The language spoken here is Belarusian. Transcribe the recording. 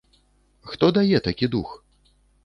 Хто дае такі дух?